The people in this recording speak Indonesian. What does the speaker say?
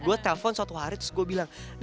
gue telpon suatu hari terus gue bilang